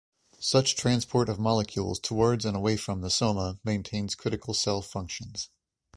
Such transport of molecules towards and away from the soma maintains critical cell functions.